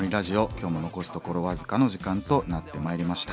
今日も残すところ僅かの時間となってまいりました。